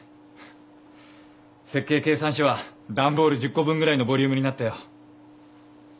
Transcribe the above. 設計計算書は段ボール１０個分ぐらいのボリュームになったよ。